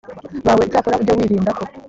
bawe icyakora ujye wirinda ko